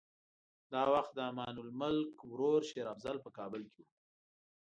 دا وخت د امان الملک ورور شېر افضل په کابل کې و.